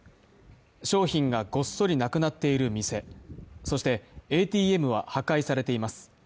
商品がごっそりなくなっている店、そして、ＡＴＭは破壊されています。